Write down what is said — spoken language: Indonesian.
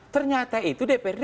ternyata itu dprd